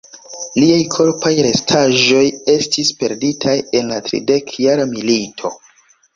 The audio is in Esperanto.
Liaj korpaj restaĵoj estis perditaj en la Tridekjara Milito.